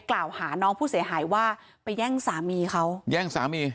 แล้วตัวผู้ชายคนนั้นอายุ๕๒ปีแล้ว